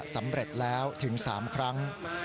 สำเร็จแล้วถึง๓ครั้ง